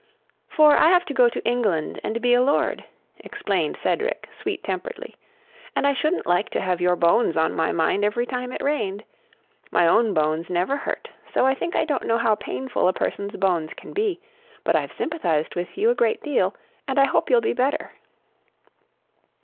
"For I have to go to England and be a lord," explained Cedric, sweet temperedly. "And I shouldn't like to have your bones on my mind every time it rained. My own bones never hurt, so I think I don't know how painful a person's bones can be, but I've sympathized with you a great deal, and I hope you'll be better."